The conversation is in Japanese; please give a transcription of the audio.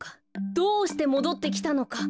どうしてもどってきたのか。